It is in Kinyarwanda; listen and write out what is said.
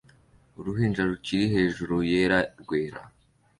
Uruhinja rukiri hejuru yera rwera